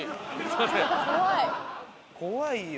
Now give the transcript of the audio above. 怖いよ。